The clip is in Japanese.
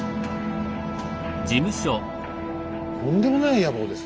とんでもない野望ですね。